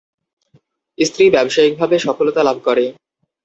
স্ত্রী ব্যবসায়িক ভাবে সফলতা লাভ করে।